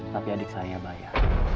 tapi adik saya bahaya